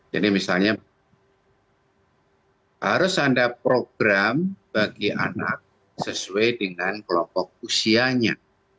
jadi misalnya harus anda program bagi anak sesuai dengan kelompok usianya